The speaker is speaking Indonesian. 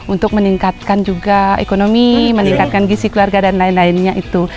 untuk meningkatkan juga ekonomi meningkatkan gisi keluarga dan lain lainnya itu